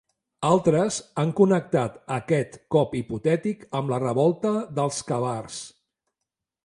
Altres han connectat aquest cop hipotètic amb la revolta dels Kabars.